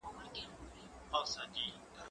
زه هره ورځ لوبه کوم!؟